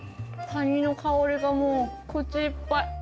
カニの香りがもう口いっぱい。